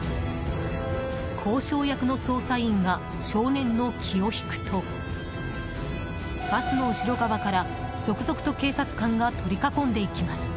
交渉役の捜査員が少年の気を引くとバスの後ろ側から、続々と警察官が取り囲んでいきます。